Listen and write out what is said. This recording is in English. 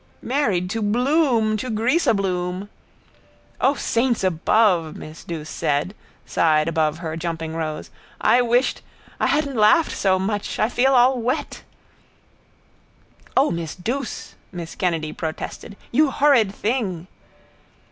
Married to Bloom, to greaseabloom. —O saints above! miss Douce said, sighed above her jumping rose. I wished I hadn't laughed so much. I feel all wet. —O, miss Douce! miss Kennedy protested. You horrid thing!